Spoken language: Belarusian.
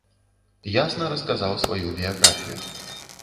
Ясна расказаў сваю біяграфію.